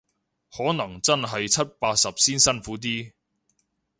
可能真係七八十先辛苦啲